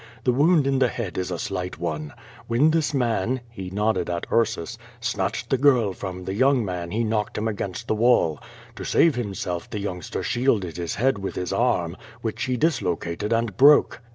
The wound in the head is a slight one. AVhen this man" (he nodded at Ursus) "snatched the girl from the young man he knocked him against the wall. To save him self the youngster shielded his head with his arm, which he dislocated and broke."